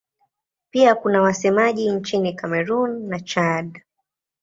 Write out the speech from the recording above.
Pia kuna wasemaji nchini Kamerun na Chad.